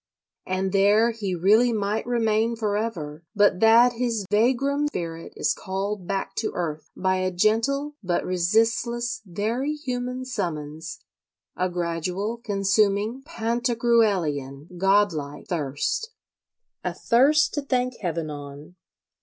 And there he really might remain for ever, but that his vagrom spirit is called back to earth by a gentle but resistless, very human summons,—a gradual, consuming, Pantagruelian, god like, thirst: a thirst to thank Heaven on.